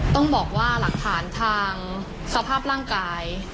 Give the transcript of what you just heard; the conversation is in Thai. ต้องบอกว่าหลักฐานทางสภาพร่างกาย